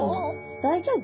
大丈夫？